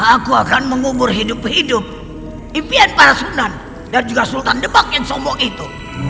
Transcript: aku akan mengumum hidup hidup impian para sunan dan juga sultan debak yang sombong itu